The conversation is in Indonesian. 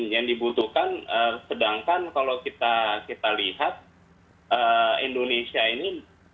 yang dibutuhkan sedangkan kalau kita lihat indonesia ini